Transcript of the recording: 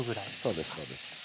そうですそうです。